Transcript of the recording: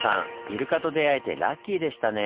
イルカと出会えてラッキーでしたね。